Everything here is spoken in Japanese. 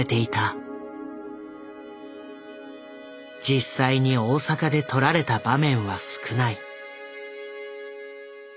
実際に大阪で撮られた場面は少ない。